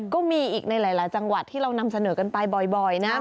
ก็มีอีกในหลายจังหวัดที่เรานำเสนอกันไปบ่อยนะ